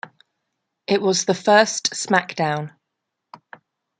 It was the first SmackDown!